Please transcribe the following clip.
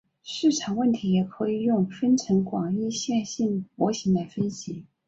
市场问题也可以用分层广义线性模型来分析。